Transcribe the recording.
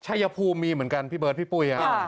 ชายภูมิมีเหมือนกันพี่เบิร์ดพี่ปุ้ย